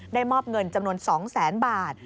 ได้มอบเงินจำนวน๒๐๐๐๐๐บาท